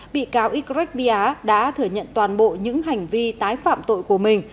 bị cáo ycret bia đã thừa nhận toàn bộ những hành vi tái phạm tội của mình